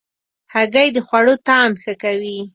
هګۍ د خوړو طعم ښه کوي.